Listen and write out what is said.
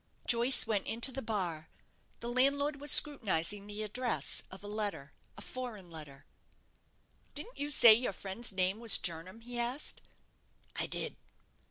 Joyce went into the bar. The landlord was scrutinizing the address of a letter a foreign letter. "Didn't you say your friend's name was Jernam?" he asked. "I did."